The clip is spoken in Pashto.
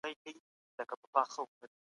کاش چي هیڅوک په ناحقه نه وای وژل سوی.